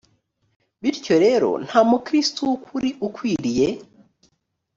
bityo rero nta mukristo w ukuri ukwiriye